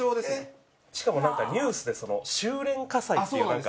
しかもなんかニュースで収れん火災っていうなんか。